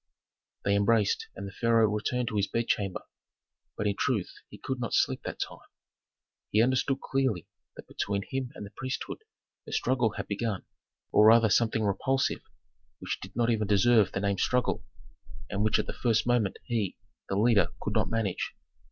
They embraced and the pharaoh returned to his bedchamber. But, in truth, he could not sleep that time. He understood clearly that between him and the priesthood a struggle had begun, or rather something repulsive which did not even deserve the name struggle, and which at the first moment he, the leader, could not manage.